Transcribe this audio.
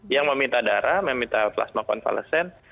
yang meminta darah meminta plasma konvalesen